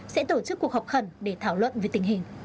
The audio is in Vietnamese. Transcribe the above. sẽ tổ chức cuộc họp khẩn để thảo luận về tình hình